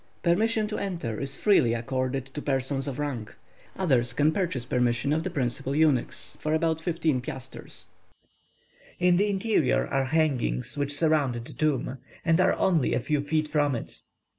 Permission to enter is freely accorded to persons of rank, and others can purchase permission of the principal eunuchs for about fifteen piasters. In the interior are hangings which surround the tomb, and are only a few feet from it."